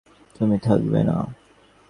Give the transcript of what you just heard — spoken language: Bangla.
তুমি থাকবে না?